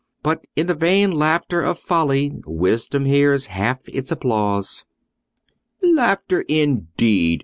But in the vain laughter of folly wisdom hears half its applause." "Laughter, indeed!"